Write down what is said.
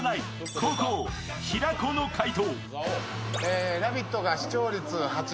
後攻・平子の解答。